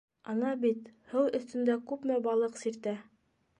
Ана бит һыу өҫтөндә күпме балыҡ сиртә.